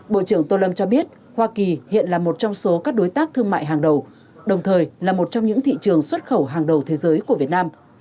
bộ trưởng tô lâm cho biết hoa kỳ hiện là một trong số các đối tác thương mại hàng đầu đồng thời là một trong những thị trường xuất khẩu hàng đầu thế giới của việt nam